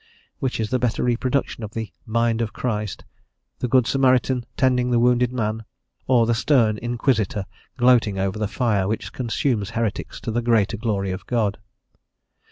Which is the better reproduction of the "mind of Christ," the good Samaritan tending the wounded man, or the stern Inquisitor gloating over the fire which consumes heretics to the greater glory of God?